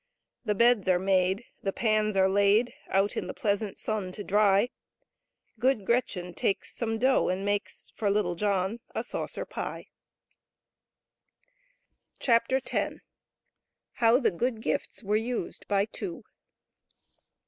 The Beds are made ; The Pans are laid Out in the pleasant Sun to dry . GoodGretchen takes SomeDought and makes, Vorlittejobn^ ti Saucer Pie, kp (CP. How the Good Gifts Avere used by Two.